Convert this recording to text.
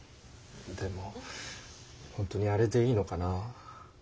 でもほんとにあれでいいのかな？